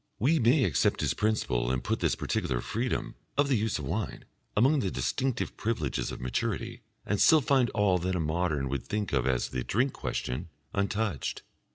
We may accept his principle and put this particular freedom (of the use of wine) among the distinctive privileges of maturity, and still find all that a modern would think of as the Drink Question untouched.